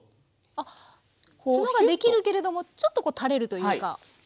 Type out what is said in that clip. あっツノができるけれどもちょっと垂れるというか。